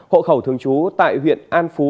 hộ khẩu thường trú tại huyện an phú